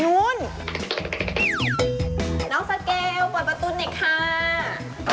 น้องสเกลเปิดประตูหน่อยค่ะ